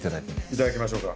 いただきましょうか。